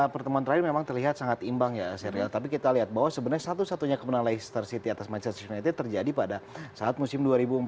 pertemuan terakhir memang terlihat sangat imbang ya serial tapi kita lihat bahwa sebenarnya satu satunya kemenangan leicester city atas manchester united terjadi pada saat musim dua ribu empat belas